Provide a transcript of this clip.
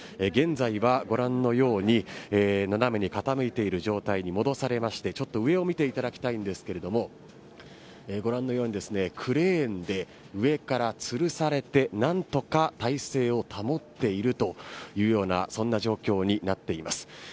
現在はご覧のように斜めに傾いている状態に戻されましてちょっと上を見ていただきたいのですがご覧のようにクレーンで上からつるされて何とか体勢を保っているそんな状況になっています。